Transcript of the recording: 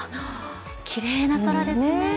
きれいな空ですね。